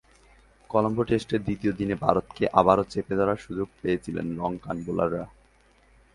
কলম্বো টেস্টে দ্বিতীয় দিনে ভারতকে আবারও চেপে ধরার সুযোগ পেয়েছিলেন লঙ্কান বোলাররা।